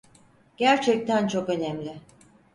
Gerçekten çok önemli.